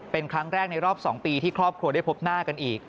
เป็นครั้งแรกในรอบ๒ปีที่ครอบครัวได้พบหน้ากันอีก